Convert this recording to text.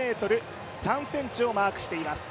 ８ｍ３ｃｍをマークしています。